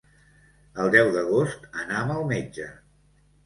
El deu d'agost anam al metge.